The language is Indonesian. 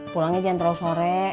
pulangnya jangan terlalu sore